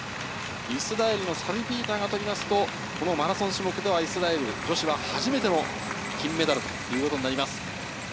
イスラエルのサルピーターが取りますと、マラソン種目ではイスラエル女子は初めての金メダルということになります。